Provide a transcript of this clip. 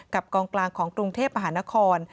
กองกลางของกรุงเทพมหานคร